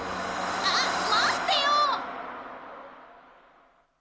ああっまってよ！